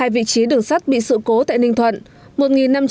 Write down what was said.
hai vị trí đường sắt bị sự cố tại ninh thuận